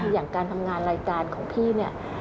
อย่างการทำงานรายการของพี่เนี่ย